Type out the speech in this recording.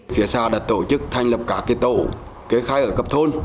phía xa đã tổ chức thành lập cả cái tổ cây khai ở cấp thôn